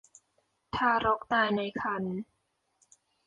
ทารกตายในครรภ์